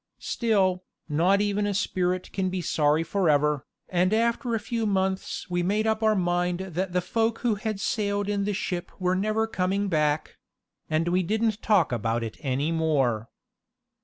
Still, not even a spirit can be sorry forever, and after a few months we made up our mind that the folk who had sailed in the ship were never coming back; and we didn't talk about it any more.